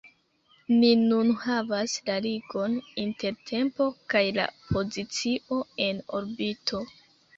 Ni nun havas la ligon inter tempo kaj la pozicio en orbito.